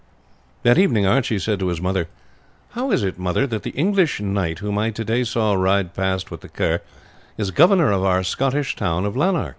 That evening Archie said to his mother, "How is it, mother, that the English knight whom I today saw ride past with the Kerr is governor of our Scottish town of Lanark?"